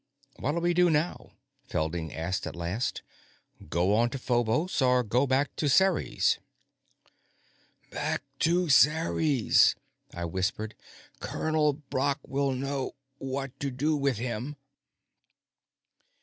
"What'll we do now?" Felding asked at last. "Go on to Phobos, or go back to Ceres?" "Back to Ceres," I whispered. "Colonel Brock will know what to do with him."